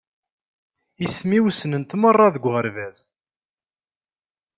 Isem-iw ssnen-t merra deg uɣerbaz.